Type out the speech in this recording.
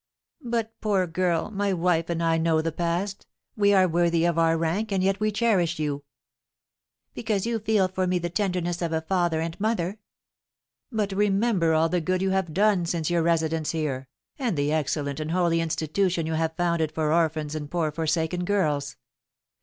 '" "But, poor girl, my wife and I know the past; we are worthy of our rank, and yet we cherish you." "Because you feel for me the tenderness of a father and mother." "But remember all the good you have done since your residence here, and the excellent and holy institution you have founded for orphans and poor forsaken girls!